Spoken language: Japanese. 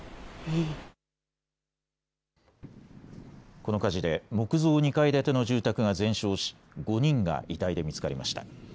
この火事で木造２階建ての住宅が全焼し５人が遺体で見つかりました。